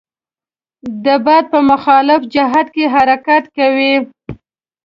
د باد په مخالف جهت کې حرکت کوي.